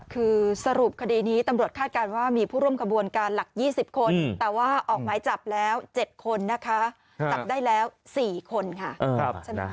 คือสรุปคดีนี้ตำรวจคาดการณ์ว่ามีผู้ร่วมขบวนการหลัก๒๐คนแต่ว่าออกหมายจับแล้ว๗คนนะคะจับได้แล้ว๔คนค่ะ